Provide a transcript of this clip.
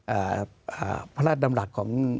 อ่าพระราชดำรัฐของ